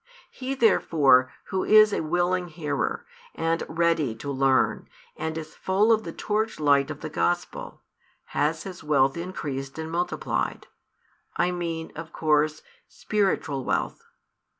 He therefore, who is a willing hearer, and ready to learn, and is full of the torchlight of the Gospel, has his wealth increased and multiplied; I mean, of course, spiritual wealth.